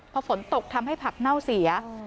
พอฝนตกทำให้ผักเน่าเสีย